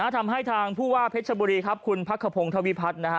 ทำให้ทางผู้ว่าเพชรชบุรีครับคุณพักขพงธวิพัฒน์นะฮะ